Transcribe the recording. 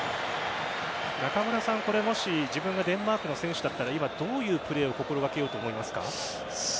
中村さん、もし自分がデンマークの選手だったら今どういうプレーを心がけようと思いますか？